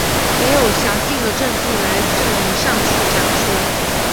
没有详尽的证据来证明上述假说。